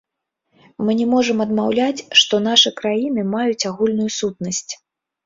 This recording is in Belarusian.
Мы не можам адмаўляць, што нашы краіны маюць агульную сутнасць.